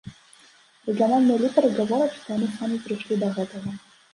Рэгіянальныя лідары гавораць, што яны самі прыйшлі да гэтага.